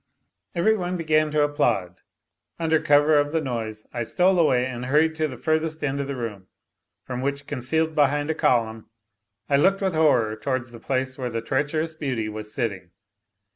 Every one began to applaud; under cover of the noise I stole away and hurried to the furthest end of the room, from which, concealed behind a column, I looked with horror towards the place where the treacherous beauty was sitting.